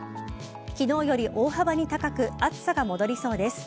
昨日より大幅に高く暑さが戻りそうです。